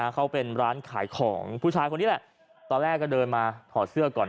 เขาเป็นร้านขายของผู้ชายคนนี้แหละตอนแรกก็เดินมาถอดเสื้อก่อน